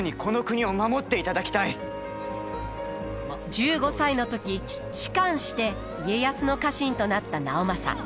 １５歳の時仕官して家康の家臣となった直政。